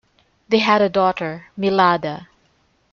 They had a daughter, Milada.